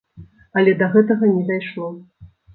Але да гэтага не дайшло.